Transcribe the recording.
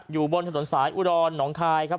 อยู่บนถนนสายอุดรหนองคายครับ